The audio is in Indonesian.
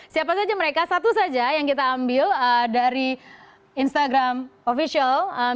siapa saja mereka satu saja yang kita ambil dari instagram official